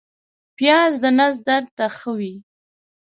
پیاز د نس درد ته ښه وي